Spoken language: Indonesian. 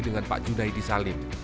dengan pak judai disalim